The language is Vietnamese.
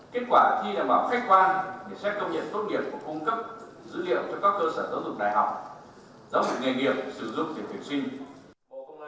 kết quả thi đảm bảo khách quan để xét công nhận tốt nghiệp và cung cấp dữ liệu cho các cơ sở giáo dục đại học giáo dục nghề nghiệp sử dụng để tuyển sinh